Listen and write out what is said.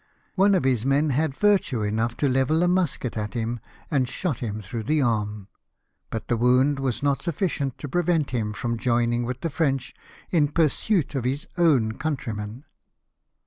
One of his men had virtue enough to level a musket at him, and shot him through the arm, but the wound was not sufficient to prevent him from joining Avith the French in pursuit of his own countrymen.